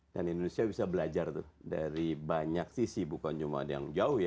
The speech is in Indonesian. dan indonesia bisa belajar dari banyak sisi bukan cuma yang jauh ya